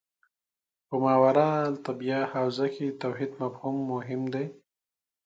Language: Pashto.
په ماورا الطبیعه حوزه کې د توحید مفهوم مهم دی.